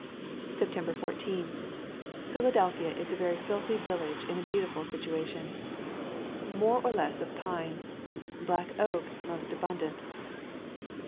September 14. Philadelphia is a very filthy village in a beautiful situation. More or less of pine. Black oak most abundant.